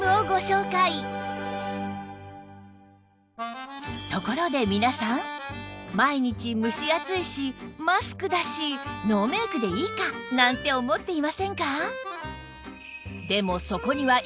今日はところで皆さん毎日蒸し暑いしマスクだしノーメイクでいいか！なんて思っていませんか？